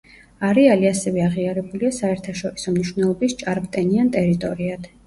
არეალი ასევე აღიარებულია საერთაშორისო მნიშვნელობის ჭარბტენიან ტერიტორიად.